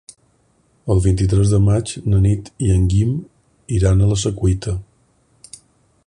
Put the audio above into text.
El vint-i-tres de maig na Nit i en Guim iran a la Secuita.